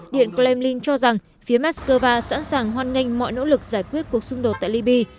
điện klemlin cho rằng phía mắc scova sẵn sàng hoan nghênh mọi nỗ lực giải quyết cuộc xung đột tại libya